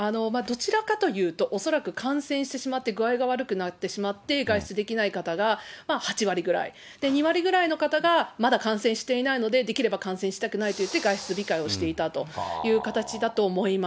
どちらかというと、恐らく感染してしまって具合が悪くなってしまって、外出できない方が８割ぐらい、２割ぐらいの方がまだ感染していないので、できれば感染したくないといって外出控えをしていたという形だと思います。